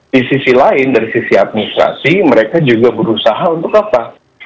di sisi lain dari sisi administrasi mereka juga berusaha untuk apa